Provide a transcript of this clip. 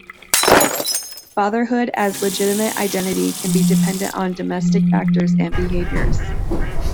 Fatherhood as legitimate identity can be dependent on domestic factors and behaviors.